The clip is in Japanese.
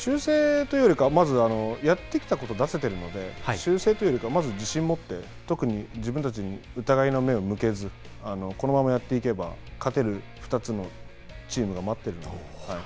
修正というよりかは、まずやってきたことを出せてるので、修正というよりかはまず自信持って、特に自分たちに疑いの目を向けず、このままやっていけば勝てる２つのチームが待ってるので。